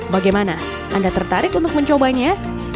bagaimana anda tertarik untuk mencobanya